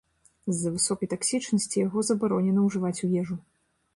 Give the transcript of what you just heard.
З-за высокай таксічнасці яго забаронена ўжываць у ежу.